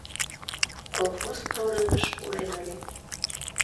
Колхоз прорывыш пурен ыле.